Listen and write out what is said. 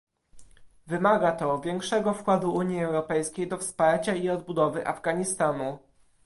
Wymaga to większego wkładu Unii Europejskiej do wsparcia i odbudowy Afganistanu